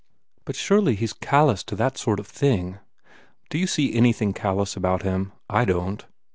"But surely he s callous to that sort of thing?" "Do you see anything callous about him? I don t